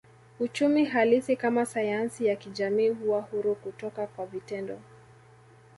Uchumi halisi kama sayansi ya kijamii huwa huru kutoka kwa vitendo